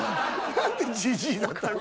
何でじじいだったの？